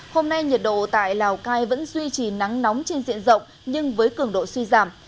hôm nay nhiệt độ tại lào cai vẫn duy trì nắng nóng trên diện rộng nhưng với cường độ suy giảm